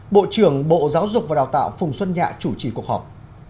bộ trưởng bộ giáo dục và đào tạo phùng xuân nhạ chủ trì cuộc họp